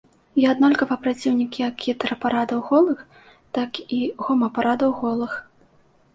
Я аднолькава праціўнік як гетэрапарадаў голых, так і гомапарадаў голых.